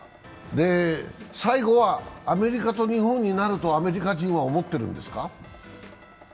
最後はアメリカと日本になるとアメリカ人は思ってるんですか？